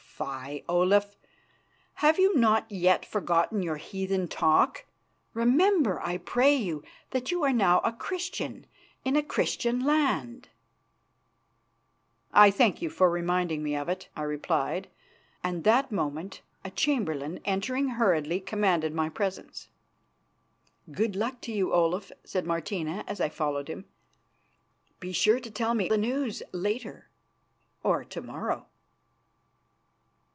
"Fie, Olaf, have you not yet forgotten your heathen talk? Remember, I pray you, that you are now a Christian in a Christian land." "I thank you for reminding me of it," I replied; and that moment a chamberlain, entering hurriedly, commanded my presence. "Good luck to you, Olaf," said Martina as I followed him. "Be sure to tell me the news later or to morrow."